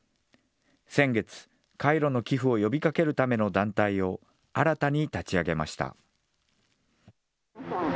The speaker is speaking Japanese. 先月、カイロの寄付を呼びかけるための団体を新たに立ち上げました。